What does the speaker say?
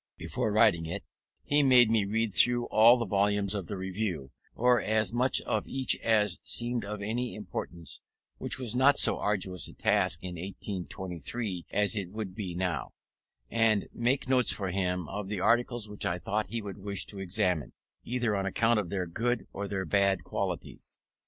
Before writing it he made me read through all the volumes of the Review, or as much of each as seemed of any importance (which was not so arduous a task in 1823 as it would be now), and make notes for him of the articles which I thought he would wish to examine, either on account of their good or their bad qualities.